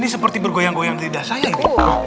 ini seperti bergoyang goyang di lidah saya ini